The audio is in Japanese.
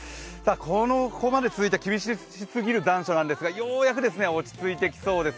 ここまで続いた厳しすぎる残暑ですがようやく落ち着いてきそうです。